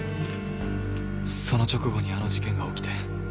その直後にあの事件が起きて。